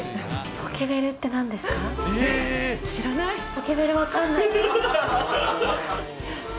ポケベル、分かんないです。